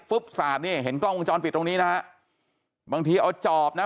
สาดนี่เห็นกล้องวงจรปิดตรงนี้นะฮะบางทีเอาจอบนะ